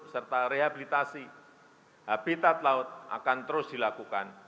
serta rehabilitasi habitat laut akan terus dilakukan